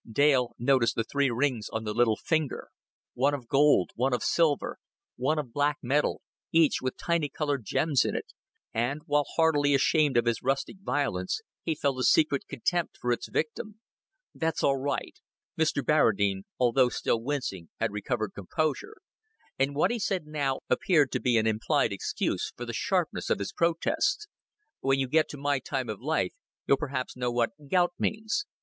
Dale noticed the three rings on the little finger one of gold, one of silver, one of black metal, each with tiny colored gems in it and while heartily ashamed of his rustic violence, he felt a secret contempt for its victim. "That's all right." Mr. Barradine, although still wincing, had recovered composure, and what he said now appeared to be an implied excuse for the sharpness of his protest. "When you get to my time of life, you'll perhaps know what gout means."